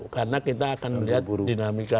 karena kita akan melihat dinamika dinamika